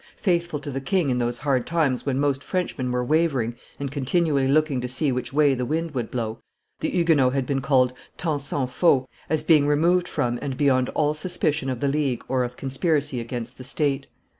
"Faithful to the king in those hard times when most Frenchmen were wavering and continually looking to see which way the . wind would blow, the Huguenots had been called Tant s'en fault, as being removed from and beyond all suspicion of the League or of conspiracy against the state.